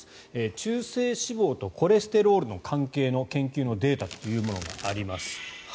中性脂肪とコレステロールの関係の研究のデータがあります。